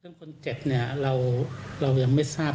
เรื่องคนเจ็บเนี้ยเราเรายังไม่ทราบ